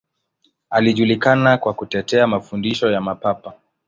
Alijulikana kwa kutetea mafundisho ya Mapapa.